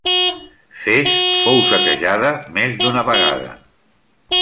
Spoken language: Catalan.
Fes fou saquejada més d'una vegada.